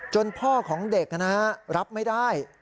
จนพ่อของเด็กนะครับรับไม่ได้